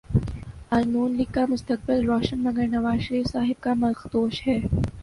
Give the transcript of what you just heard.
آج نون لیگ کا مستقبل روشن مگر نوازشریف صاحب کا مخدوش ہے